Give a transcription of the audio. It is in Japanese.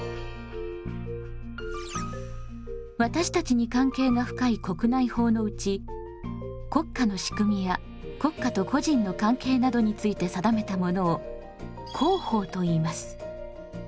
私たちに関係が深い国内法のうち国家の仕組みや国家と個人の関係などについて定めたものを公法といいます。